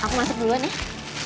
aku masuk duluan ya